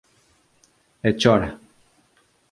E chora!